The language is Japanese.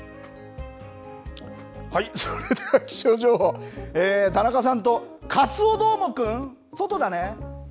それでは気象情報、田中さんとカツオどーもくん、外だね。